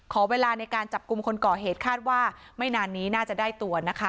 ขอเวลาในการจับกลุ่มคนก่อเหตุคาดว่าไม่นานนี้น่าจะได้ตัวนะคะ